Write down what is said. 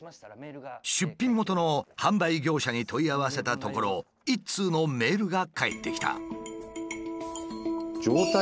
出品元の販売業者に問い合わせたところ一通のメールが返ってきた。